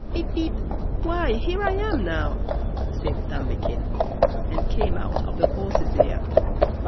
"Pip, Pip, why, here I am now!" said Thumbikin, and came out of the horse's ear.